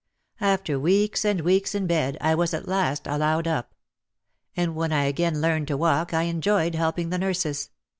After weeks and weeks in bed I was at last allowed up. And when I again learned to walk I enjoyed helping the nurses.